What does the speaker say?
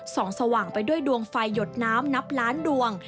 ส่องสว่างไปด้วยดวงไฟหยดน้ำนับล้านดวง